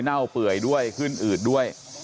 เน่าเปื่อยด้วยขึ้นอืดด้วย